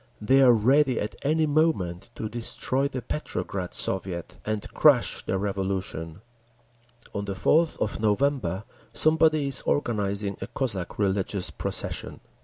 They are ready at any moment to destroy the Petrograd Soviet and crush the Revolution…. On the 4th of November somebody is organising a Cossack religious procession.